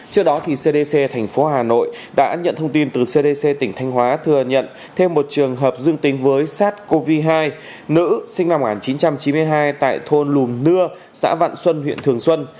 trước đó cdc thành phố hà nội đã nhận thông tin từ cdc tỉnh thanh hóa thừa nhận thêm một trường hợp dương tính với sars cov hai nữ sinh năm một nghìn chín trăm chín mươi hai tại thôn lùm nưa xã vạn xuân huyện thường xuân